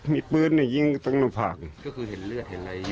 มีปืนเนี่ยยิงต้องเราผ่านก็คือเห็นเลือดเห็นอะไร